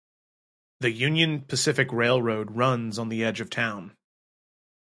The Union Pacific Railroad runs on the edge of town.